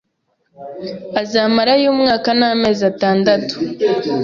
azamarayo umwaka n’ amezi atandatu.